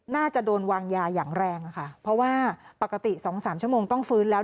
น่าจะโดนวางยาอย่างแรงอะค่ะเพราะว่าปกติ๒๓ชั่วโมงต้องฟื้นแล้ว